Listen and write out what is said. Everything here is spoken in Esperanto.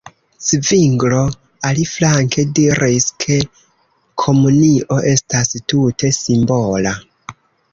Zvinglo, aliflanke, diris, ke komunio estas tute simbola.